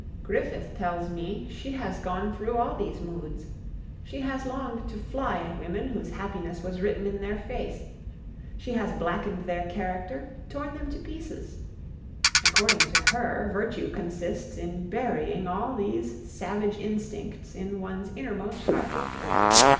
Griffith tells me she has gone through all these moods; she has longed to fly at women, whose happiness was written in their face; she has blackened their character, torn them to pieces. According to her, virtue consists in burying all these savage instincts in one's innermost heart.